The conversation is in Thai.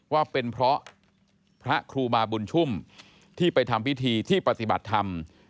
ว่าเป็นเพราะพระครูบาบุญชุ่มที่ไปทำพิธีที่ปฏิบัติธรรม